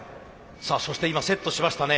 そして今セットしましたね。